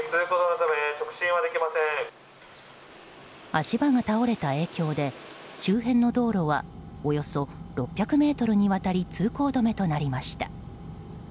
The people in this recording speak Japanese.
足場が倒れた影響で周辺の道路はおよそ６００ｍにわたり通行止めとなりました。